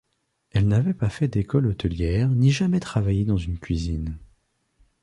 Elle n’avait pas fait d’école hôtelière ni jamais travaillé dans une cuisine.